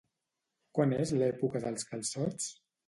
Quan és l'època dels calçots?